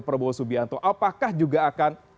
prabowo subianto apakah juga akan